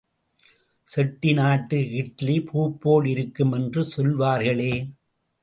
செட்டி நாட்டு இட்லி பூப்போல் இருக்கும் என்று சொல்வார்களே.